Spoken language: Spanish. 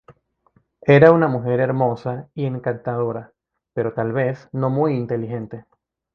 Era una mujer hermosa y encantadora pero tal vez no muy inteligente.